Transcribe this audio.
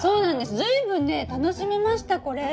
随分ね楽しめましたこれ！